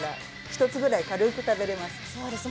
一つぐらい、軽く食べられます。